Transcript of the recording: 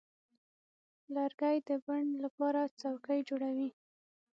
لرګی د بڼ لپاره څوکۍ جوړوي.